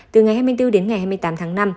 từ ngày hai mươi bốn đến ngày hai mươi tám tháng năm